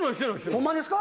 ホンマですか？